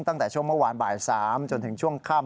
ตั้งแต่ช่วงเมื่อวานบ่าย๓จนถึงช่วงค่ำ